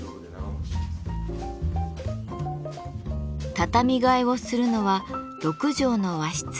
畳替えをするのは６畳の和室。